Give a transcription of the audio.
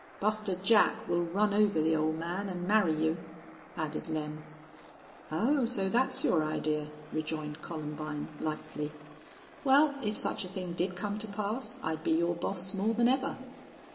"Buster Jack will run over the ole man an' marry you," added Lem. "Oh, so that's your idea," rejoined Columbine, lightly. "Well, if such a thing did come to pass I'd be your boss more than ever."